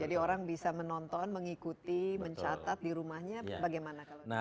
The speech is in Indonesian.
jadi orang bisa menonton mengikuti mencatat di rumahnya bagaimana kalau